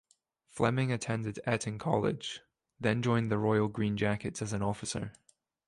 Fleming attended Eton College, then joined the Royal Green Jackets as an officer.